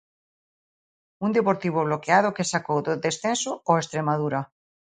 Un Deportivo bloqueado que sacou do descenso o Estremadura.